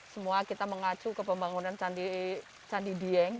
semua kita mengacu ke pembangunan candi dieng